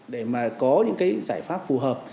để mà có những cái giải pháp phù hợp